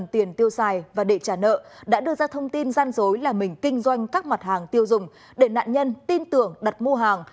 tiền tiêu xài và đệ trả nợ đã đưa ra thông tin gian dối là mình kinh doanh các mặt hàng tiêu dùng để nạn nhân tin tưởng đặt mua hàng